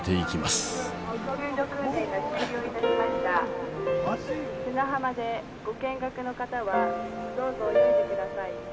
砂浜でご見学の方はどうぞ泳いで下さい。